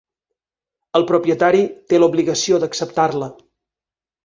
El propietari té l’obligació d’acceptar-la.